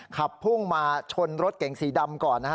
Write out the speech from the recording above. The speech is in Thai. ขับพุ่งมาชนรถเก๋งสีดำก่อนนะฮะ